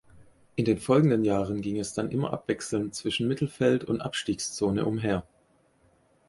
In den folgenden Jahren ging es dann immer abwechselnd zwischen Mittelfeld und Abstiegszone umher.